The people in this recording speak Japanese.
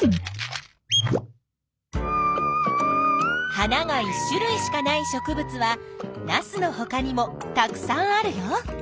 花が１種類しかない植物はナスのほかにもたくさんあるよ。